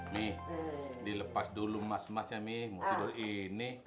mi dilepas dulu emas emasnya mi mau tidur ini